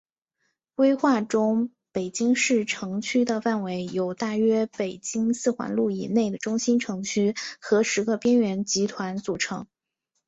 规划中北京市城区的范围由大约北京四环路以内的中心城区和十个边缘集团组成。